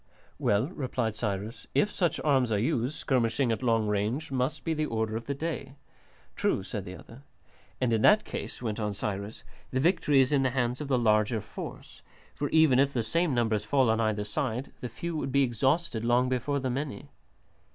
"Well," replied Cyrus, "if such arms are used, skirmishing at long range must be the order of the day." "True," said the other. "And in that case," went on Cyrus, "the victory is in the hands of the larger force; for even if the same numbers fall on either side, the few would be exhausted long before the many."